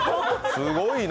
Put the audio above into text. すごいな。